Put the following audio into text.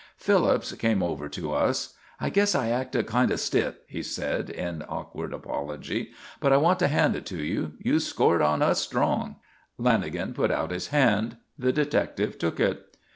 Phillips came over to us. "I guess I acted kind of stiff," he said, in awkward apology. "But I want to hand it to you. You scored on us strong." Lanagan put out his hand. The detective took it.